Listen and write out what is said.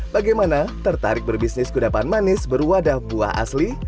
bagaimana tertarik berbisnis kudapan manis berwadah buah asli